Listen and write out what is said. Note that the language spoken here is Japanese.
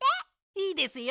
いいですよ。